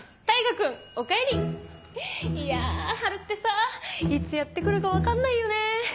大牙君おかえり！いや春ってさいつやって来るか分かんないよね。